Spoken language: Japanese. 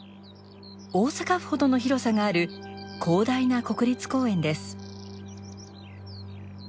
大阪府ほどの広さがある広大な国立公園です。